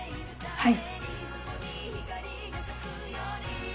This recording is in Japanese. はい。